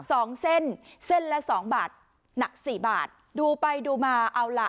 สองเส้นเส้นละสองบาทหนักสี่บาทดูไปดูมาเอาล่ะ